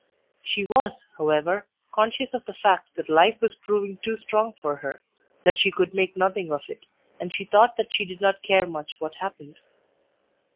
She was, however, conscious of the fact that life was proving too strong for her, that she could make nothing of it, and she thought that she did not care much what happened.